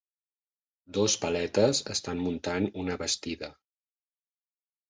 Dos paletes estan muntant una bastida.